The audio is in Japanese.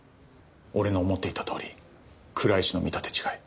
俺の思っていたとおり倉石の見立て違い